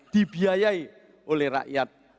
dibiayai oleh rakyat